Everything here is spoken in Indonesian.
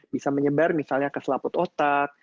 bisa menyebar misalnya ke selaput otak